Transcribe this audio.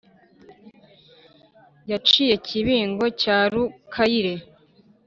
Yiciye Kibingo cya Rukayire